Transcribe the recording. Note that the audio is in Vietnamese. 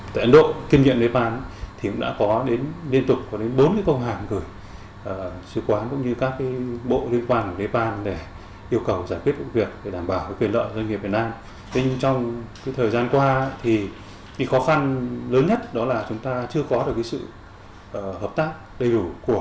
trong thời gian qua khó khăn lớn nhất là chúng ta chưa có được sự giải quyết